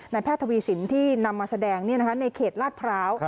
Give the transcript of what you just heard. แพทย์ทวีสินที่นำมาแสดงในเขตลาดพร้าว